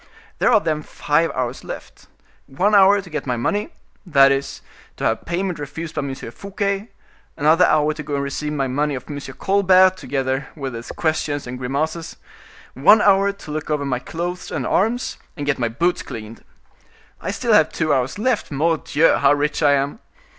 There are then five hours left. One hour to get my money,—that is, to have payment refused by M. Fouquet; another hour to go and receive my money of M. Colbert, together with his questions and grimaces; one hour to look over my clothes and arms, and get my boots cleaned. I still have two hours left. Mordioux! how rich I am."